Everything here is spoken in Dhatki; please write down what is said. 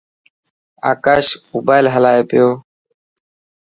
آڪاش موبائل هلائي پيو.